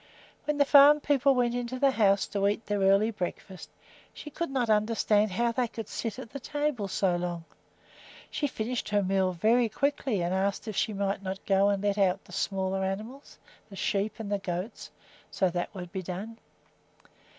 When the farm people went into the house to eat their early breakfast, she could not understand how they could sit at the table so long. She finished her meal very quickly and asked if she might not go and let out the smaller animals, the sheep and the goats, so that that would be done.